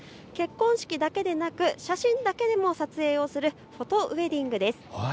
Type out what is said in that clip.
結婚式だけでなく写真だけでも撮影をするフォトウエディングです。